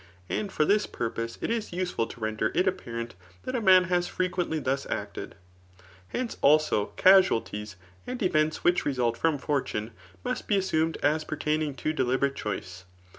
And for this purpose it is useful to tender it apparent that a man has frequently fiius acted. Hence, also, casualties, and events whkh result from* fortune, must be assumed as pertaining to deliberate choice.